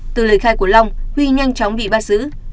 từ lời khai của long huy nhanh chóng bị bắt giữ